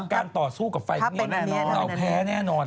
การต่อสู้กับไฟเมียนเราแพ้แน่นอน